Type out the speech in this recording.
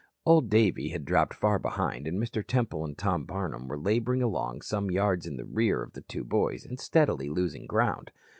Old Davey had dropped far behind and Mr. Temple and Tom Barnum were laboring along some yards in the rear of the two boys and steadily losing ground.